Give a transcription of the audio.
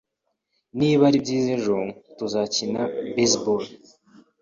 Niba ari byiza ejo, tuzakina baseball